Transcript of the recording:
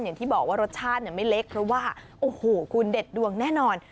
อย่างที่บอกว่ารสชาติไม่เล็กเพราะว่าโอ้โหคุณเด็ดดวงแน่นอน